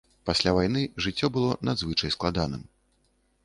Пасля вайны жыццё было надзвычай складаным.